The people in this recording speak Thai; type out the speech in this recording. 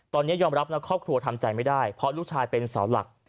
ตอนนี้ยอมรับนะครอบครัวทำใจไม่ได้เพราะลูกชายเป็นเสาหลัก